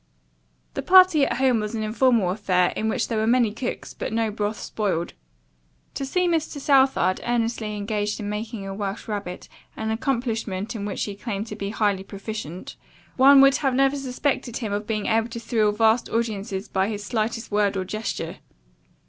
The party at home was an informal affair in which there were many cooks, but no broth spoiled. To see Mr. Southard earnestly engaged in making a Welsh rarebit, an accomplishment in which he claimed to be highly proficient, one would never have suspected him of being able to thrill vast audiences by his slightest word or gesture.